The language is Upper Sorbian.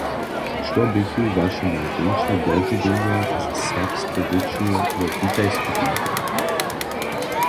Što běchu Waše najrjeńše dožiwjenja ze serbskej rěču we Witaj-skupinje?